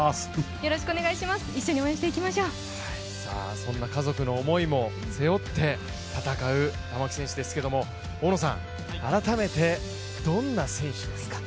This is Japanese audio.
そんな家族の思いも背負って戦う玉置選手ですけれども大野さん、改めてどんな選手ですか？